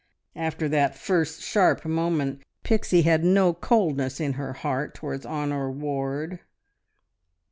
After that first sharp moment Pixie had no coldness in her heart towards Honor Ward.